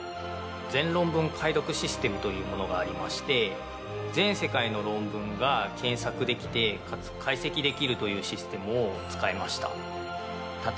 全論文解読システムというものがありまして全世界の論文が検索できてかつ解析できるというシステムを使いました。